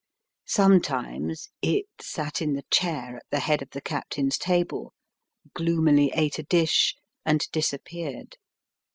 Some times It sat in the chair at the head of the captain's table, gloomily ate a dish, and disap peared.